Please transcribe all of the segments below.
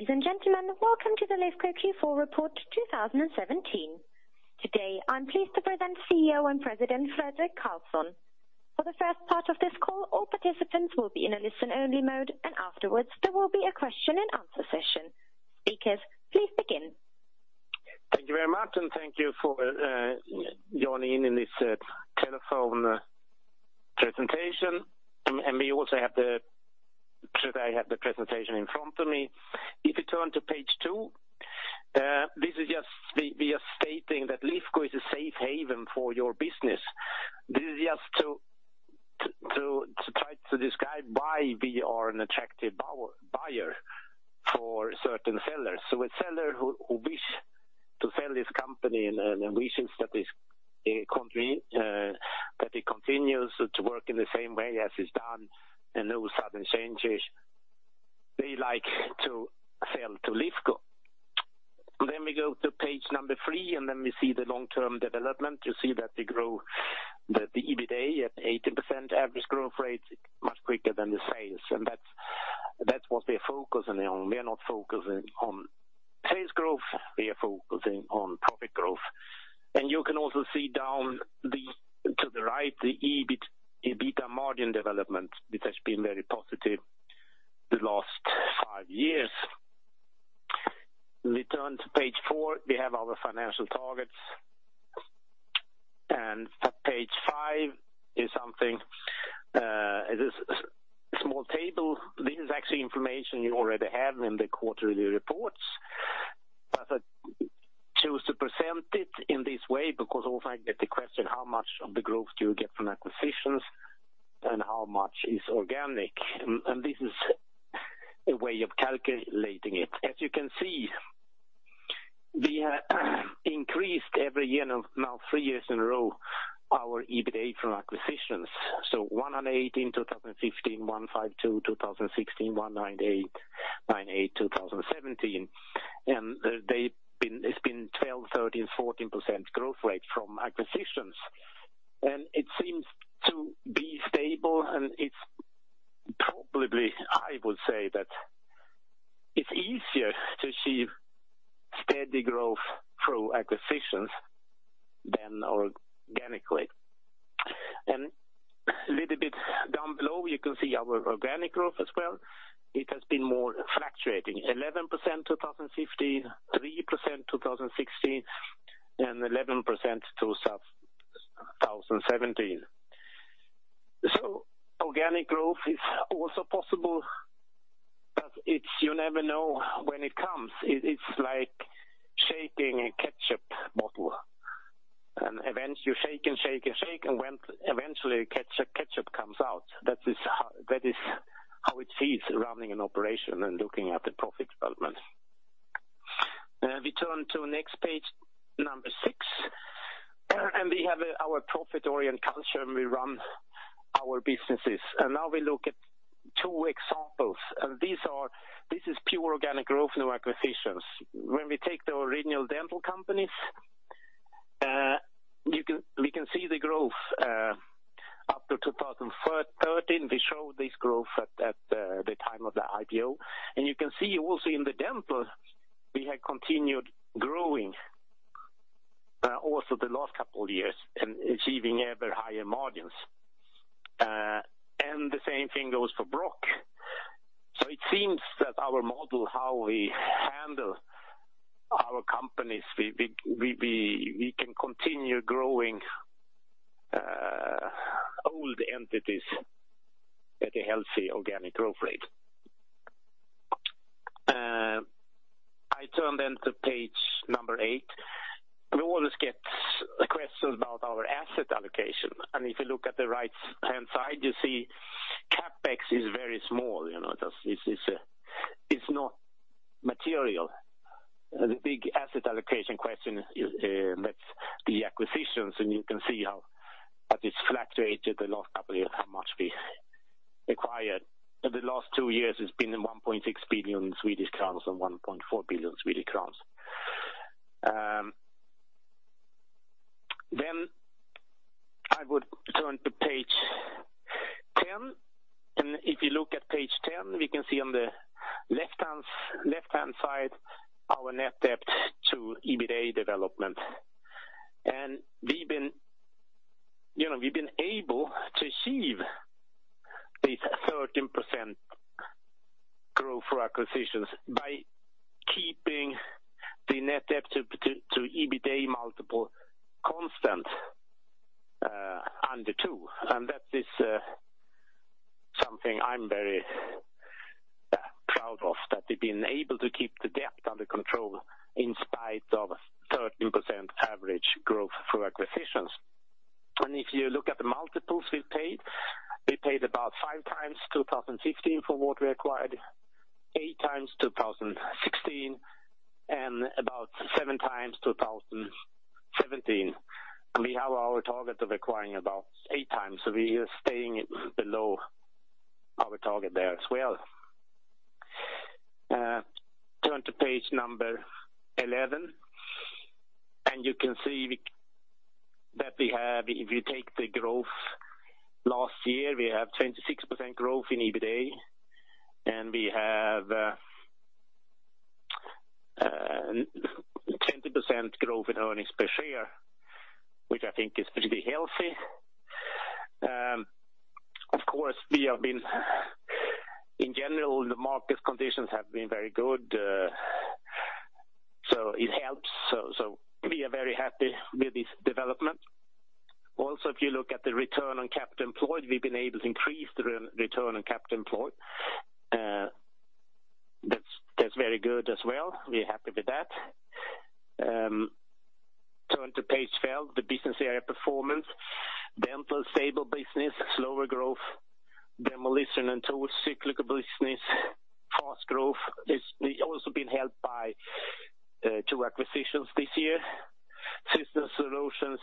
Ladies and gentlemen, welcome to the Lifco Q4 report 2017. Today, I'm pleased to present CEO and President Fredrik Karlsson. For the first part of this call, all participants will be in a listen-only mode, afterwards there will be a question and answer session. Speakers, please begin. Thank you very much, and thank you for joining in this telephone presentation. I have the presentation in front of me. If you turn to page two, we are stating that Lifco is a safe haven for your business. This is just to try to describe why we are an attractive buyer for certain sellers. A seller who wishes to sell his company and wishes that it continues to work in the same way as it's done and no sudden changes, they like to sell to Lifco. We go to page number three, and we see the long-term development. You see that they grow the EBITA at 80% average growth rate, much quicker than the sales. That's what we are focusing on. We are not focusing on sales growth, we are focusing on profit growth. You can also see down to the right, the EBITA margin development, which has been very positive the last five years. We turn to page four, we have our financial targets, and page five is a small table. This is actually information you already have in the quarterly reports, but I choose to present it in this way because often I get the question, how much of the growth do you get from acquisitions and how much is organic? This is a way of calculating it. As you can see, we have increased every year, now three years in a row, our EBITA from acquisitions. So 118, 2015, 152, 2016, 198, 2017. It's been 12, 13, 14% growth rate from acquisitions. It seems to be stable, and probably I would say that it's easier to achieve steady growth through acquisitions than organically. Little bit down below, you can see our organic growth as well. It has been more fluctuating, 11%, 2015, 3%, 2016, and 11% 2017. Organic growth is also possible, but you never know when it comes. It's like shaking a ketchup bottle, and you shake and shake and shake and eventually ketchup comes out. That is how it feels running an operation and looking at the profit development. We turn to next page number six, and we have our profit-oriented culture, and we run our businesses. Now we look at two examples, and this is pure organic growth, no acquisitions. When we take the original Dental companies, we can see the growth after 2013. We showed this growth at the time of the IPO. You can see also in the Dental, we have continued growing also the last couple of years and achieving ever higher margins. The same thing goes for Brokk. It seems that our model, how we handle our companies, we can continue growing old entities at a healthy organic growth rate. I turn to page number eight. We always get questions about our asset allocation, and if you look at the right-hand side, you see CapEx is very small. It's not material. The big asset allocation question, that's the acquisitions, and you can see how that it's fluctuated the last couple of years, how much we acquired. The last two years has been 1.6 billion Swedish crowns and 1.4 billion Swedish crowns. I would turn to page 10, and if you look at page 10, we can see on the left-hand side our net debt to EBITA development. We've been able to achieve this 13% growth for acquisitions by keeping the net debt to EBITA multiple constant under two. That is something I'm very proud of, that we've been able to keep the debt under control in spite of 13% average growth through acquisitions. If you look at the multiples we've paid, we paid about five times 2015 for what we acquired, eight times 2016, and about seven times 2017. We have our target of acquiring about eight times. We are staying below our target there as well. Turn to page number 11. You can see that we have, if you take the growth last year, we have 26% growth in EBITA, and we have 20% growth in earnings per share, which I think is pretty healthy. Of course, in general, the market conditions have been very good. It helps. We are very happy with this development. Also, if you look at the return on capital employed, we've been able to increase the return on capital employed. That's very good as well. We are happy with that. Turn to page 12, the business area performance. Dental, stable business, slower growth. Demolition & Tools, cyclical business, fast growth. It's also been helped by two acquisitions this year. Systems Solutions,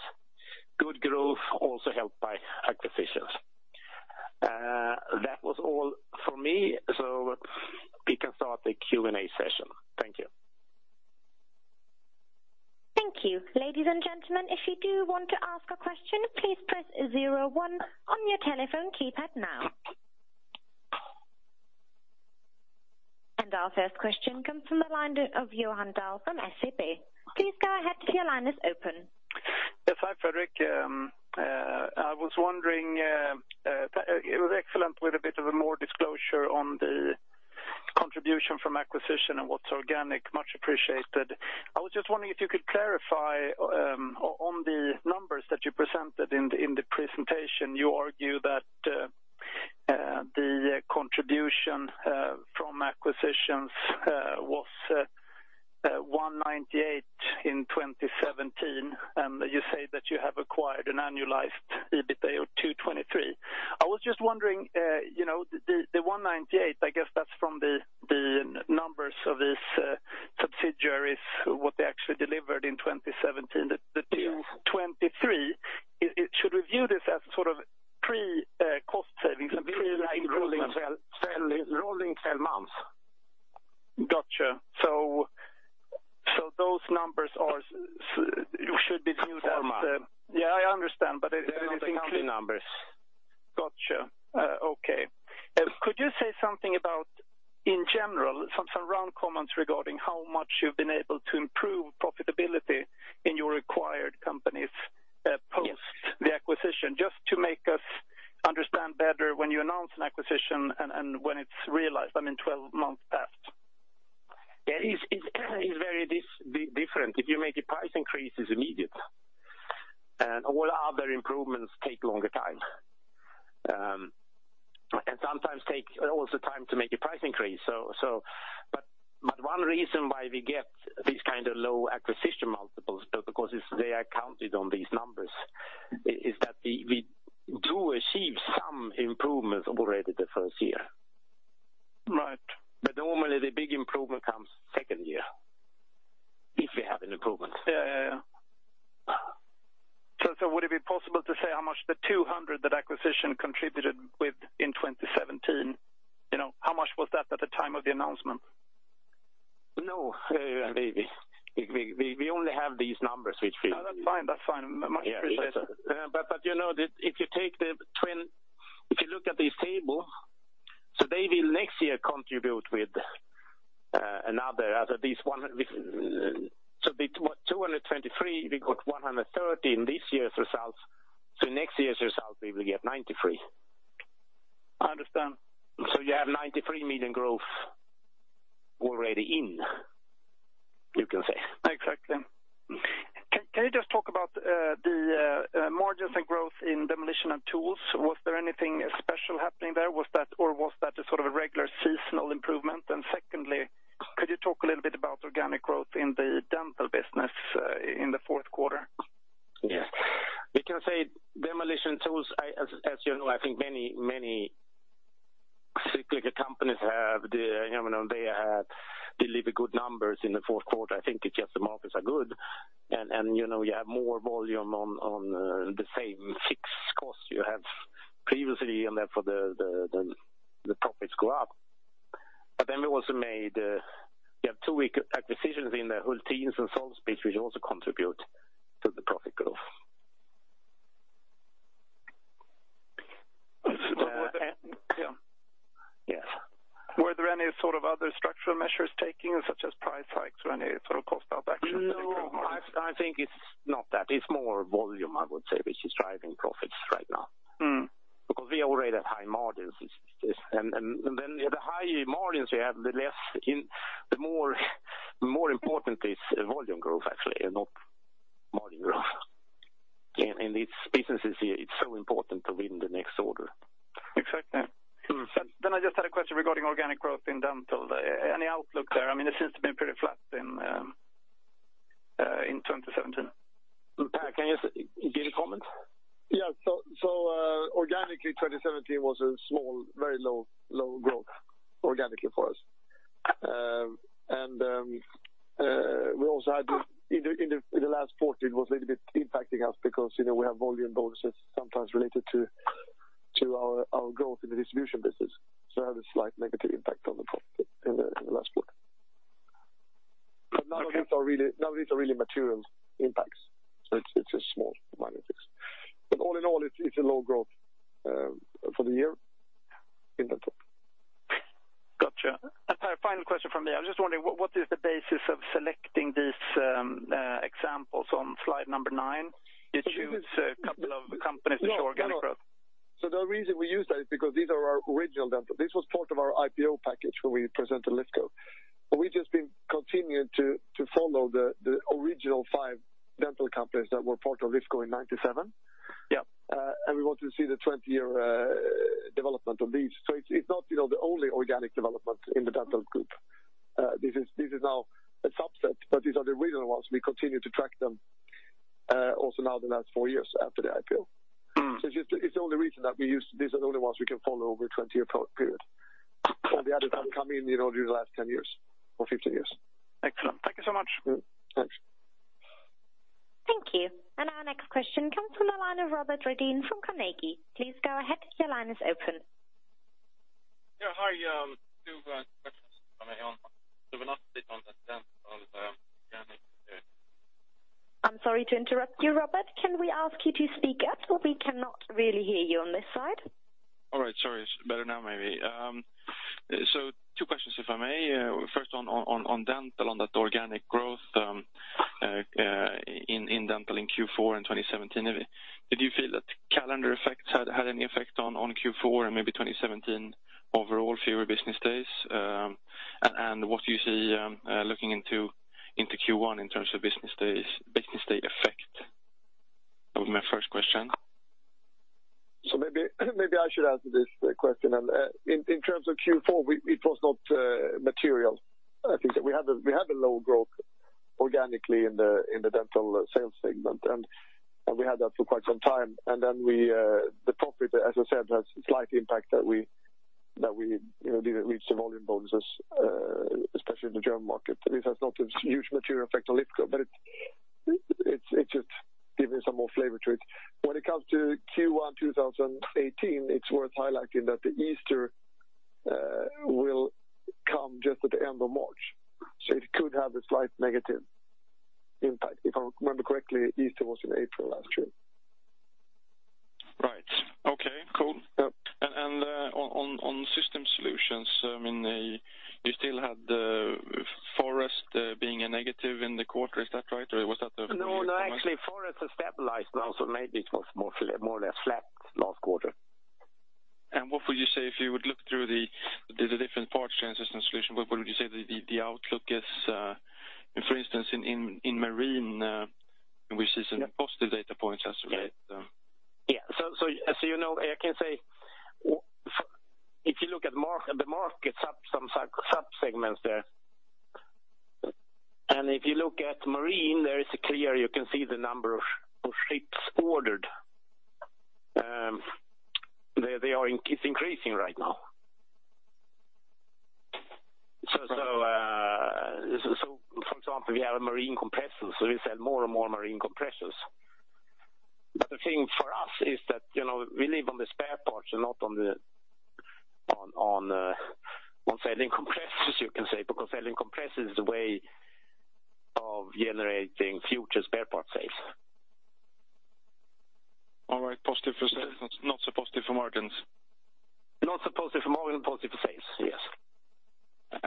good growth, also helped by acquisitions. That was all for me. We can start the Q&A session. Thank you. Thank you. Ladies and gentlemen, if you do want to ask a question, please press zero one on your telephone keypad now. Our first question comes from the line of Johan Dahl from SEB. Please go ahead. Your line is open. Yes. Hi, Fredrik. It was excellent with a bit of a more disclosure on the contribution from acquisition and what's organic, much appreciated. I was just wondering if you could clarify on the numbers that you presented in the presentation. You argue that the contribution from acquisitions was 198 in 2017. You say that you have acquired an annualized EBITA of 223. I was just wondering, the 198, I guess that's from the numbers of these subsidiaries, what they actually delivered in 2017. The 223, should we view this as sort of pre-cost savings and pre- Rolling 12 months. Got you. Those numbers should be viewed as Yeah, I understand. They are the company numbers. Got you. Okay. Could you say something about, in general, some round comments regarding how much you have been able to improve profitability in your acquired companies post the acquisition? Just to make us understand better when you announce an acquisition and when it is realized, I mean, 12 months passed. It is very different. If you make a price increase, it is immediate. All other improvements take a longer time. Sometimes take also time to make a price increase. One reason why we get these kind of low acquisition multiples, because they are counted on these numbers, is that we do achieve some improvements already the first year. Right. Normally the big improvement comes second year, if we have an improvement. Yeah. Would it be possible to say how much the 200 that acquisition contributed with in 2017? How much was that at the time of the announcement? No. We only have these numbers. That's fine. Much appreciated. Yeah. If you look at the table, they will next year contribute with another. They took 223, we got 130 in this year's results. Next year's results, we will get 93. I understand. You have 93 million growth already in, you can say. Exactly. Can you just talk about the margins and growth in Demolition & Tools? Was there anything special happening there, or was that a sort of a regular seasonal improvement? Secondly, could you talk a little bit about organic growth in the Dental business in the fourth quarter? Yes. We can say Demolition & Tools, as you know, I think many cyclical companies have, they deliver good numbers in the fourth quarter. I think it is just the markets are good, and you have more volume on the same fixed cost you have previously, and therefore the profits go up. We have two acquisitions in the Hultdins and Solspets which also contribute to the profit growth. Yes. Were there any sort of other structural measures taken, such as price hikes or any sort of cost out actions to improve margins? No. I think it is not that. It is more volume, I would say, which is driving profits right now. We are already at high margins. The higher margins we have, the more important is volume growth actually, and not margin growth. In these businesses, it is so important to win the next order. Exactly. I just had a question regarding organic growth in Dental. Any outlook there? It seems to have been pretty flat in 2017. Per, can you give a comment? Yes. Organically, 2017 was a small, very low growth organically for us. We also had the, in the last quarter, it was a little bit impacting us because we have volume bonuses sometimes related to our growth in the distribution business. It had a slight negative impact on the profit in the last quarter. Okay. None of these are really material impacts, so it is a small minus. All in all, it is a low growth for the year in Dental. Got you. Final question from me. I am just wondering what is the basis of selecting these examples on slide number nine? You choose a couple of companies to show organic growth. The reason we use that is because these are our original Dental. This was part of our IPO package when we presented Lifco. We have just been continuing to follow the original five Dental companies that were part of Lifco in 1997. Yeah. We want to see the 20-year development of these. It is not the only organic development in the Dental group. This is now a subset, but these are the original ones. We continue to track them, also now the last four years after the IPO. It's the only reason that we use, these are the only ones we can follow over a 20-year period, the others have come in during the last 10 years or 15 years. Excellent. Thank you so much. Thanks. Thank you. Our next question comes from the line of Robert Redin from Carnegie. Please go ahead. Your line is open. Yeah. Hi, two questions. One on the analysis on the Dental organic. I'm sorry to interrupt you, Robert. Can we ask you to speak up? We cannot really hear you on this side. All right. Sorry. It's better now, maybe. Two questions, if I may. First on Dental, on that organic growth in Dental in Q4 in 2017, did you feel that calendar effects had any effect on Q4 and maybe 2017 overall, fewer business days? What do you see looking into Q1 in terms of business day effect? That was my first question. Maybe I should answer this question. In terms of Q4, it was not material. I think that we had a low growth organically in the Dental sales segment, and we had that for quite some time. The profit, as I said, has a slight impact that we didn't reach the volume bonuses, especially in the German market. This has not a huge material effect on Lifco, but it's just giving some more flavor to it. When it comes to Q1 2018, it's worth highlighting that the Easter will come just at the end of March, so it could have a slight negative impact. If I remember correctly, Easter was in April last year. Right. Okay, cool. Yep. On Systems Solutions, you still had the forest being a negative in the quarter. Is that right? No, actually forest has stabilized now, maybe it was more or less flat last quarter. What would you say if you would look through the different parts Systems Solutions, what would you say the outlook is? For instance, in marine, which is a positive data point as to date. Yeah. As you know, I can say, if you look at the market, some sub-segments there, and if you look at marine, there is a clear, you can see the number of ships ordered. It's increasing right now. For example, we have a marine compressor, we sell more and more marine compressors. The thing for us is that, we live on the spare parts and not on selling compressors, you can say, because selling compressors is the way of generating future spare parts sales. All right. Positive for sales, not so positive for margins. Not so positive for margin, positive for sales. Yes.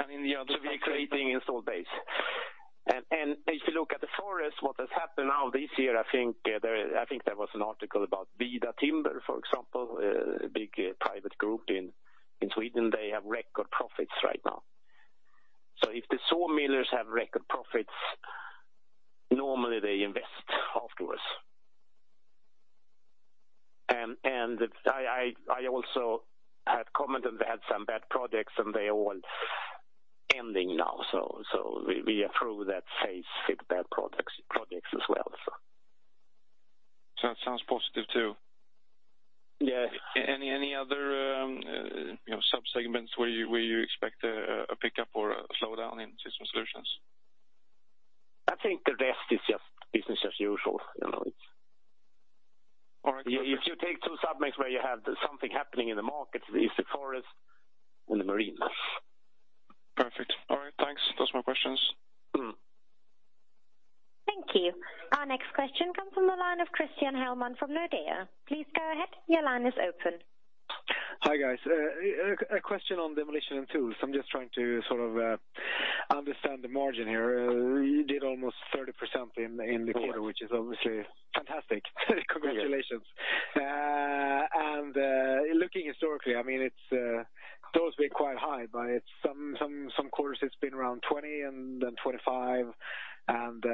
In the other- We are creating install base. If you look at the forest, what has happened now this year, I think there was an article about Bergs Timber, for example, a big private group in Sweden. They have record profits right now. If the saw millers have record profits, normally they invest afterwards. I also had commented they had some bad projects and they are all ending now. We are through that phase with bad projects as well. That sounds positive, too. Yeah. Any other sub-segments where you expect a pickup or a slowdown in Systems Solutions? I think the rest is just business as usual. All right. If you take two sub-mix where you have something happening in the markets, it's the forest and the marine. Perfect. All right. Thanks. Those are my questions. Thank you. Our next question comes from the line of Christian Hellman from Nordea. Please go ahead. Your line is open. Hi, guys. A question on Demolition & Tools. I'm just trying to sort of understand the margin here. You did almost 30% in the quarter, which is obviously fantastic. Congratulations. Looking historically, those were quite high, but some quarters it's been around 20 and then 25, and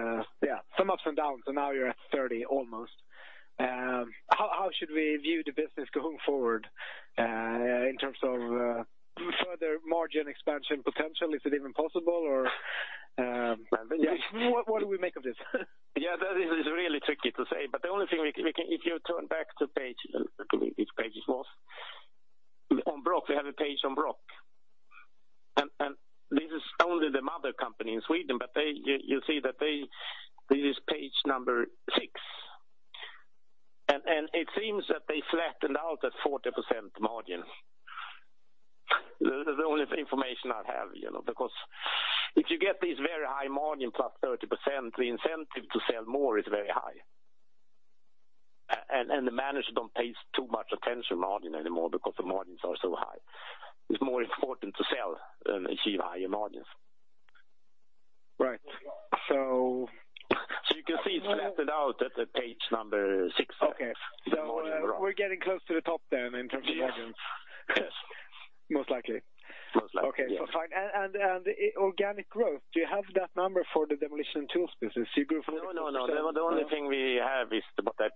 yeah, some ups and downs, and now you're at 30 almost. How should we view the business going forward in terms of further margin expansion potential? Is it even possible, or what do we make of this? Yeah, that is really tricky to say. The only thing, if you turn back to page, I don't know which page it was. On Brokk, we have a page on Brokk. This is only the mother company in Sweden, you'll see that this is page number six. It seems that they flattened out at 40% margin. The only information I have, because if you get this very high margin plus 30%, the incentive to sell more is very high. The managers don't pay too much attention margin anymore because the margins are so high. It's more important to sell than achieve higher margins. Right. You can see it's flattened out at the page number six. Okay. We're getting close to the top then in terms of margins. Yes. Most likely. Most likely. Okay. Fine. Organic growth, do you have that number for the Demolition & Tools business? You grew. The only thing we have is about that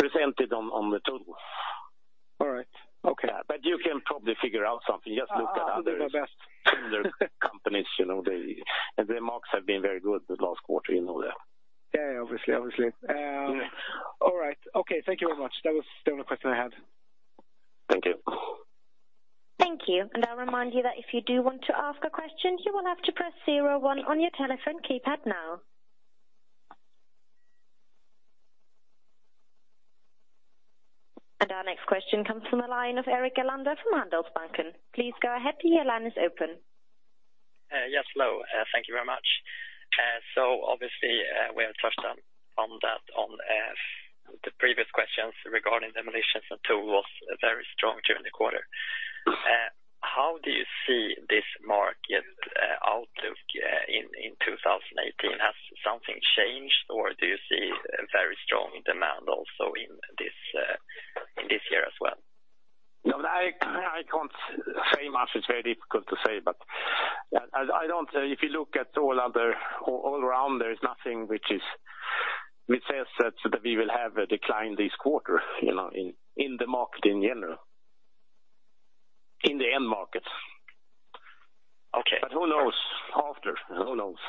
presented on the tool. All right. Okay. You can probably figure out something. Just look at others. I'll do my best [tender companies] The marks have been very good this last quarter, you know that. Yeah, obviously. Yeah. All right. Okay. Thank you very much. That was the only question I had. Thank you. Thank you. I'll remind you that if you do want to ask a question, you will have to press zero one on your telephone keypad now. Our next question comes from the line of Eric Gelander from Handelsbanken. Please go ahead, your line is open. Yes, hello. Thank you very much. Obviously, we have touched on that on the previous questions regarding Demolition & Tools, very strong during the quarter. How do you see this market outlook in 2018? Has something changed or do you see a very strong demand also in this year as well? No, I can't say much. It's very difficult to say. If you look at all around, there is nothing which says that we will have a decline this quarter, in the market in general, in the end market. Okay. Who knows? After, who knows?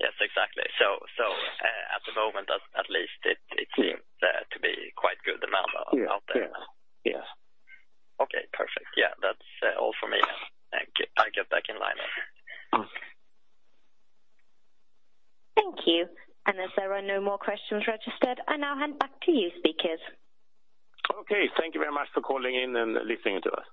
Yes, exactly. At the moment at least, it seems to be quite good demand out there. Yeah. Okay, perfect. That's all for me. I'll get back in line then. Okay. Thank you. As there are no more questions registered, I now hand back to you speakers. Okay. Thank you very much for calling in and listening to us.